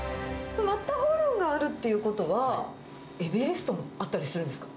マッターホルンがあるっていうことは、エベレストもあったりするんですか？